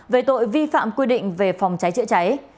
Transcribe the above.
về tội vi phạm quy định về phòng cháy chữa cháy